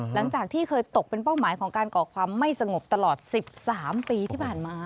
หลังจากที่เคยตกเป็นเป้าหมายของการก่อความไม่สงบตลอด๑๓ปีที่ผ่านมา